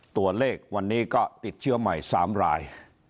ตัวเลขวันนี้ก็ติดเชื้อใหม่๓ราย